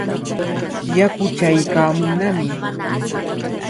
Yaku chaykaamunnami.